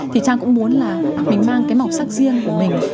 thì trang cũng muốn là mình mang cái màu sắc riêng của mình